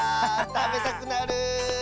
たべたくなる！